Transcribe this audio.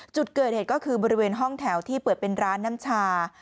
จุดเกิดเหตุก็คือบริเวณห้องแถวที่เปิดเป็นร้านน้ำชา